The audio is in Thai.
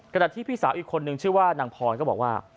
ที่พี่สาวอีกคนนึงชื่อว่านางพรก็บอกว่า